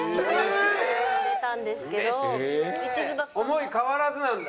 思い変わらずなんだ。